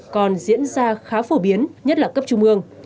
còn diễn ra khá phổ biến nhất là cấp trung ương